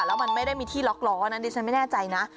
แล้วมันไม่ได้มีที่ล็อกล้อนะดิฉันไม่แน่ใจนะ